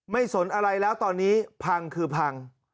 สนอะไรแล้วตอนนี้พังคือพัง